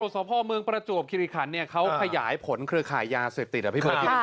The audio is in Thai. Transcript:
โรงสรภอมเมืองประจวบคิริขันเนี่ยเค้าพยายายผลเครือขายยาเสพติดอะพี่เพิ่ม